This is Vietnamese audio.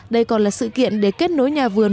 đây còn là sự kiện để kết nối nhà vườn